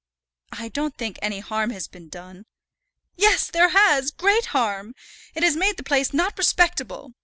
"I don't think any harm has been done." "Yes, there has; great harm. It has made the place not respectable.